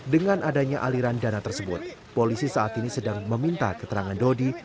dengan adanya aliran dana tersebut polisi saat ini sedang meminta keterangan dodi